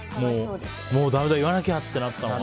もうだめだ、言わなきゃって思ったのかな。